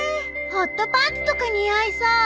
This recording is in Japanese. ホットパンツとか似合いそう。